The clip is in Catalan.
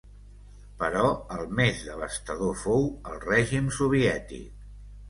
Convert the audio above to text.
Però el més devastador fou el règim soviètic.